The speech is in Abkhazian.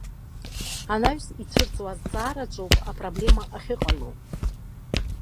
Анаҩс ицәырҵуа азҵаараҿы ауп апроблема ахьыҟало.